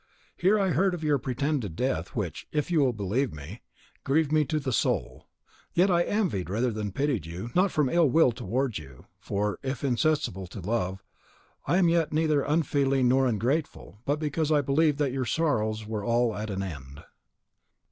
Here I heard of your pretended death, which, if you will believe me, grieved me to the soul; yet I envied rather than pitied you, not from ill will towards you, for, if insensible to love, I am yet neither unfeeling nor ungrateful, but because I believed that your sorrows were all at an end."